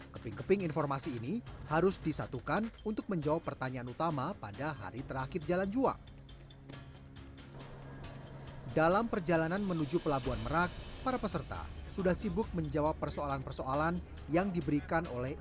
keping keping informasi ini harus disatukan untuk menjawab pertanyaan